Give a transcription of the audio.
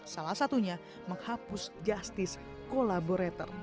salah satunya menghapus justice